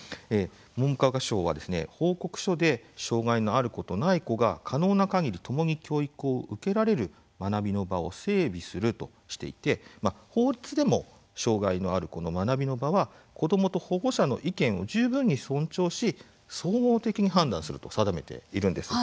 文部科学省は報告書で障害のある子とない子が可能なかぎりともに教育を受けられる学びの場を整備するとしていて法律でも障害のある子の学びの場は子どもと保護者の意見を十分に尊重し総合的に判断すると定めているんです。